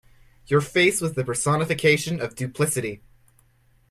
Your face was the personification of duplicity.